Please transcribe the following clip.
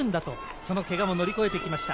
そのけがを乗り越えてきました。